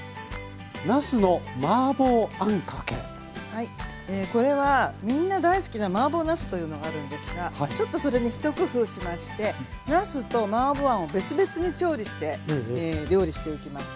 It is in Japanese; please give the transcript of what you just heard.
はいこれはみんな大好きなマーボーなすというのがあるんですがちょっとそれに一工夫しましてなすとマーボーあんを別々に調理して料理していきます。